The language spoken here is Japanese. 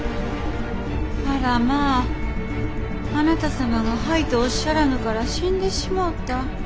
あらまぁあなた様が「はい」とおっしゃらぬから死んでしもうた。